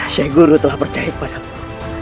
syekh guru telah percaya padamu